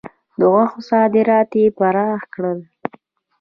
د غوښو صادرات یې پراخ کړل.